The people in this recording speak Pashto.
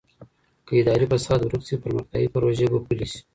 که اداري فساد ورک سي پرمختيايي پروژې به پلي سي.